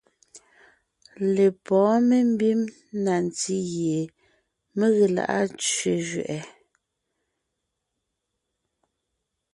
Lepɔ̌ɔn membím na ntí gie mé ge lá’a tsẅé zẅɛʼɛ;